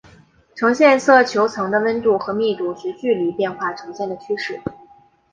呈现色球层的温度和密度随距离变化呈现的趋势。